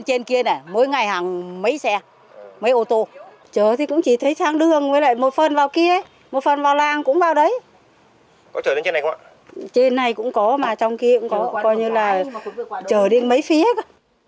trên này cũng có mà trong kia cũng có coi như là chở đến mấy phía cơ